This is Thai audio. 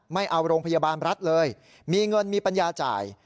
ไม่เอาโรงพยาบาลรัฐเลยมีเงินมีปัญญาจ่าย